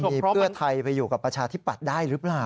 มีเพื่อไทยไปอยู่กับประชาธิปัตย์ได้หรือเปล่า